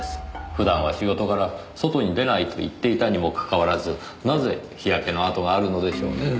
普段は仕事柄外に出ないと言っていたにもかかわらずなぜ日焼けのあとがあるのでしょうねぇ。